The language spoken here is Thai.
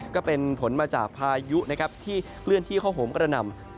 ก็เป็นผลมาจากพายุที่เคลื่อนที่เขาห่มกระหน่ำ